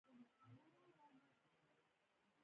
د مدینې منورې پر لور روان شوو.